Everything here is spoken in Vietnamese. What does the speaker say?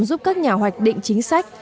giúp các nhà hoạch định chính sách